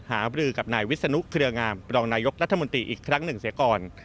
บรือกับนายวิศนุเครืองามรองนายกรัฐมนตรีอีกครั้งหนึ่งเสียก่อน